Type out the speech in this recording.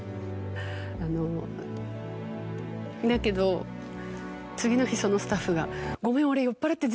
あのだけど次の日そのスタッフが「ごめん俺」。